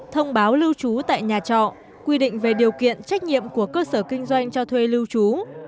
thông báo lưu trú tại nhà trọ quy định về điều kiện trách nhiệm của cơ sở kinh doanh cho thuê lưu trú